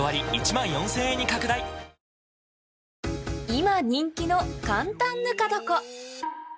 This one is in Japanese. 今人気の簡単ぬか床